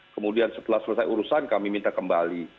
kemudian setelah selesai urusan kami minta kembali